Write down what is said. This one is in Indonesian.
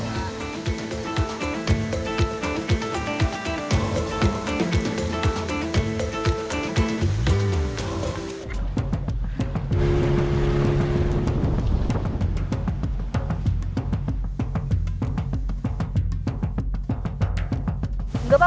tidak apa apa pak dia pegang